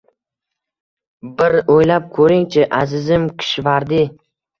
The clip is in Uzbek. Bir oʻylab koʻring-chi, azizim Kishvardi!